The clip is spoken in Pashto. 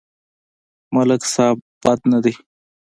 ملک صيب بد نه دی.